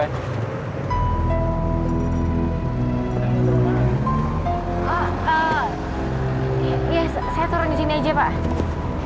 oh iya saya turun di sini aja pak